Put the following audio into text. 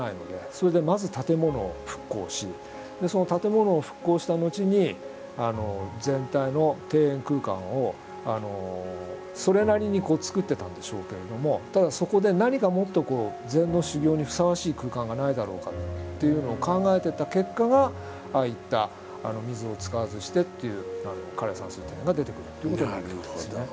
それでまず建物を復興しでその建物を復興したのちに全体の庭園空間をそれなりにつくってたんでしょうけれどもただそこで何かもっと禅の修行にふさわしい空間がないだろうかっていうのを考えてった結果がああいった水を使わずしてっていう枯山水ってのが出てくるっていうことになりますね。